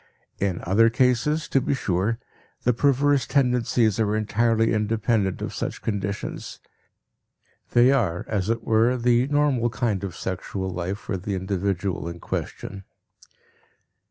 In other cases, to be sure, the perverse tendencies are entirely independent of such conditions; they are, as it were, the normal kind of sexual life for the individual in question.